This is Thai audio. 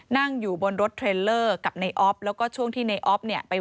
นายสุรพนธ์ดาราคำในอ๊อฟวัย๒๓ปี